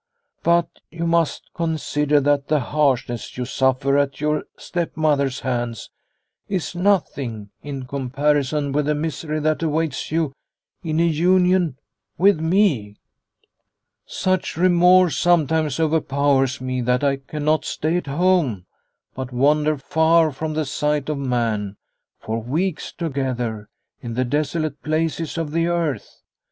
But you must consider that the harsh ness you suffer at your stepmother's hands is nothing in comparison with the misery that awaits you in a union with me. Such remorse sometimes overpowers me that I cannot stay at home, but wander far from the sight of man, for weeks together, in the desolate places of the earth.